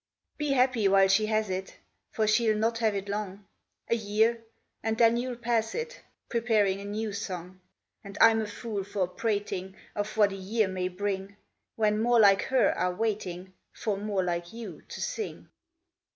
"Be happy while she has it, For she'll not have it long; A year, and then you'll pass it, Preparing a new song. And I'm a fool for prating Of what a year may bring, When more like her are waiting For more like you to sing.